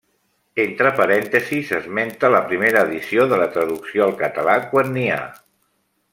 Entre parèntesis s'esmenta la primera edició de la traducció al català, quan n'hi ha.